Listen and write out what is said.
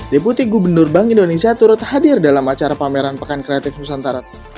deputi gubernur bank indonesia turut hadir dalam acara pameran pekan kreatif nusantara